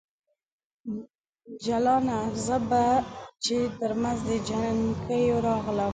جلانه ! زه به چې ترمنځ د جنکیو راغلم